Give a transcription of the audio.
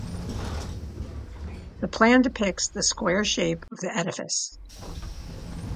The plan depicts the square shape of the edifice.